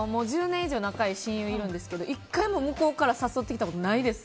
仲がいい親友いるんですけど１回も向こうから誘ってきたことないです。